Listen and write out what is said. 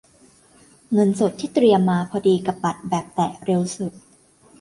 เงินสดที่เตรียมมาพอดีกับบัตรแบบแตะ เร็วสุด